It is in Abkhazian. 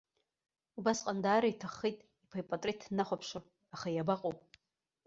Убасҟан даара иҭаххеит иԥа ипатреҭ днахәаԥшыр, аха иабаҟоу.